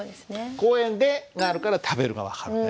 「公園で」があるから「食べる」が分かるんだよね。